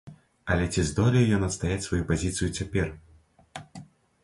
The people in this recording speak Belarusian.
Але ці здолее ён адстаяць сваю пазіцыю цяпер?